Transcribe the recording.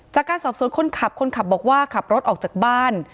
จากการสอบสวนคนขับคนขับบอกว่าขับรถออกจากบ้าน